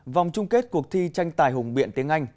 vòng chung kết cuộc thi tranh tài hùng biện tiếng anh